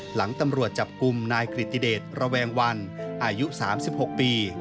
หลังตำรวจจับกลุ่มนายกริติเดชระแวงวันอายุ๓๖ปี